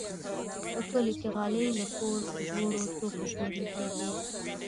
په کلیو کې غالۍ له کور جوړو توکو شمېرل کېږي.